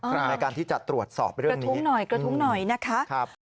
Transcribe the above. ในการที่จะตรวจสอบเรื่องนี้กระทุ้งหน่อยนะคะ